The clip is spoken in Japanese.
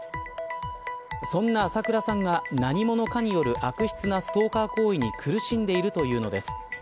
そんな浅倉さんが何者かによる悪質なストーカー行為に苦しんでいるというのです。